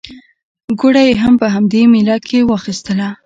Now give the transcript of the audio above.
ګوړه یې هم په همدې مېله کې واخیستله.